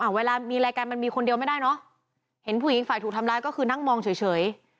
เวลามีรายการมันมีคนเดียวไม่ได้เนอะเห็นผู้หญิงอีกฝ่ายถูกทำร้ายก็คือนั่งมองเฉย